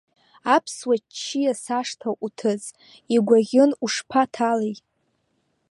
Аԥсуа ччиа сашҭа уҭыҵ, игәаӷьын ушԥаҭалеи?